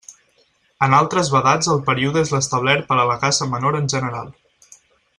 En altres vedats el període és l'establert per a la caça menor en general.